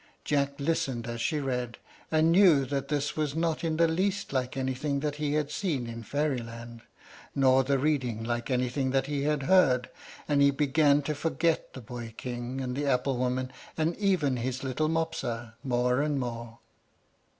Jack listened as she read, and knew that this was not in the least like anything that he had seen in Fairyland, nor the reading like anything that he had heard, and he began to forget the boy king, and the apple woman, and even his little Mopsa, more and more.